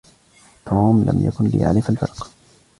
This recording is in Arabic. توم لم يكن ليعرف الفرق.